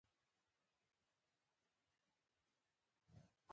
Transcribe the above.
یا خو په کورنیو ستونزو کې سخت ډوب دی.